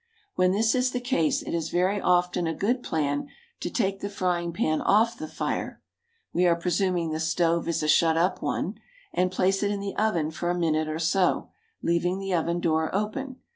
When this is the case, it is very often a good plan to take the frying pan off the fire (we are presuming the stove is a shut up one), and place it in the oven for a minute or so, leaving the oven door open.